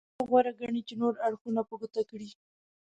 دا غوره ګڼي چې نور اړخونه په ګوته کړي.